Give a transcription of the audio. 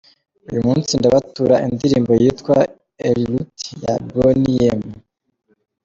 Uyu munsi ndabatura indirimbo yitwa El Lute ya Boney M